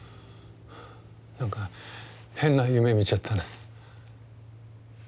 なんか変な夢見ちゃったな。